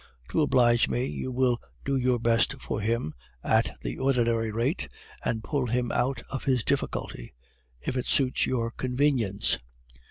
'To oblige me you will do your best for him (at the ordinary rate), and pull him out of his difficulty (if it suits your convenience).